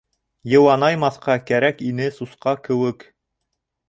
Йыуанаймаҫҡа кәрәк ине сусҡа кеүек!